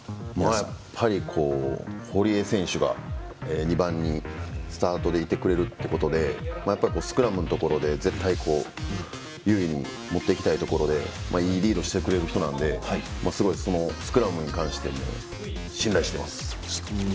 やっぱり、堀江選手が２番にスタートでいてくれるということでスクラムのところで絶対優位に持っていきたいところでいいリードしてくれる人なんでスクラムに関しても信頼しています。